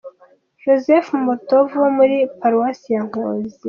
Joseph Matovu wo muri Paruwasi ya Nkozi.